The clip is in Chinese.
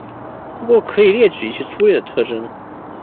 不过可以列举一些粗略的特征。